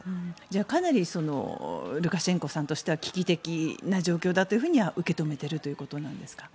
かなりルカシェンコさんとしては危機的な状況だと受け止めているということなんですかね。